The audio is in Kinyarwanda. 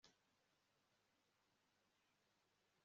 ntabwo ugomba gukora ibyo